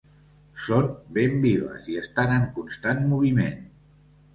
Són ben vives i estan en constant moviment.